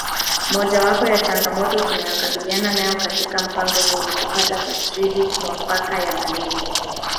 Mojawapo ya changamoto tunayokabiliana nayo katika mpango huu ni kupata tafsiri mwafaka ya maneno